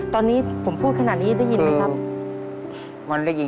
ตอนนี้ผมพูดขนาดนี้ได้ยินไหมครับ